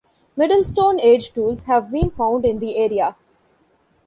Middle stone age tools have been found in the area.